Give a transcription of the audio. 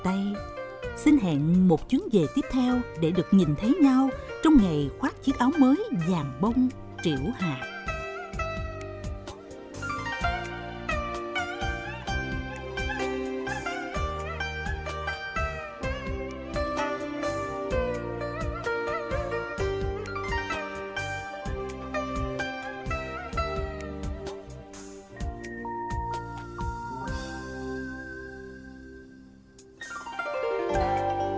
anh hẹn một chuyến về tiếp theo để được nhìn thấy nhau trong ngày khoát chiếc áo mới vàng bông triệu hạt